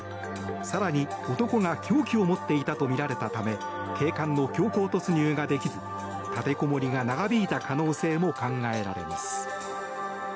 更に男が凶器を持っているとみられたため警官が強行突入ができず立てこもりが長引いた可能性も考えられます。